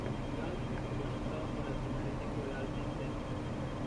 Long fue nombrado para el primer equipo del All-Big Ten.